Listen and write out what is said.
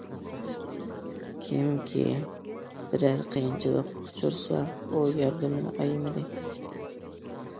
كىمكى بىرەر قىيىنچىلىققا ئۇچرىسا ئۇ ياردىمىنى ئايىمىدى.